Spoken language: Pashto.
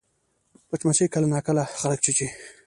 مچمچۍ کله ناکله خلک چیچي